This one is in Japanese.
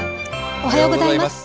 おはようございます。